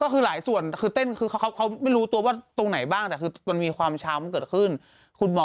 ก็คือหลายส่วนเขาไม่รู้ตัวว่าตรงไหนบ้างแต่มีความช้ำเกิดขึ้น